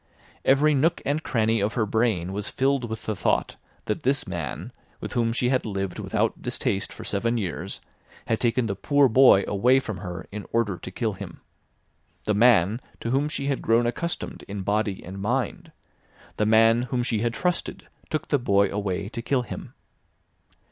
Every nook and cranny of her brain was filled with the thought that this man, with whom she had lived without distaste for seven years, had taken the "poor boy" away from her in order to kill him—the man to whom she had grown accustomed in body and mind; the man whom she had trusted, took the boy away to kill him!